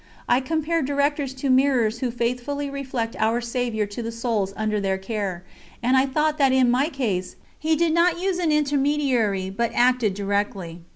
I compared directors to mirrors who faithfully reflect Our Saviour to the souls under their care, and I thought that in my case He did not use an intermediary but acted directly.